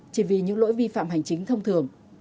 chỉ vì những lỗi vi phạm hành chính thông thường